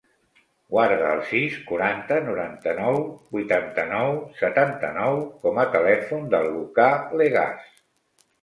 Guarda el sis, quaranta, noranta-nou, vuitanta-nou, setanta-nou com a telèfon del Lucà Legaz.